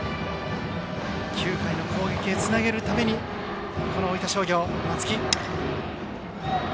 ９回の攻撃へつなげるために大分商業、松木。